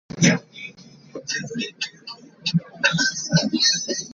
Sand was placed on the motorway for young children to play on.